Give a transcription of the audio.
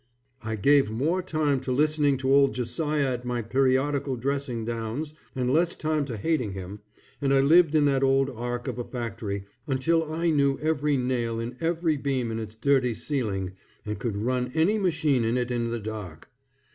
I gave more time to listening to old Josiah at my periodical dressing downs, and less time to hating him, and I lived in that old ark of a factory, until I knew every nail in every beam in its dirty ceiling, and could run any machine in it in the dark.